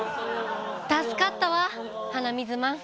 助かったわ鼻水マン。